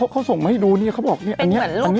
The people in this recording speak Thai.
เขาส่งมาให้ดูนี่เขาบอกนี่